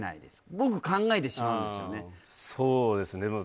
僕考えてしまうんですよねああ